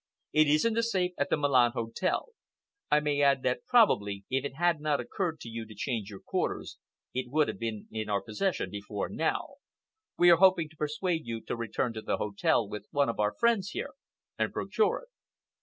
It is in the safe at the Milan Hotel. I may add that probably, if it had not occurred to you to change your quarters, it would have been in our possession before now. We are hoping to persuade you to return to the hotel with one of our friends here, and procure it."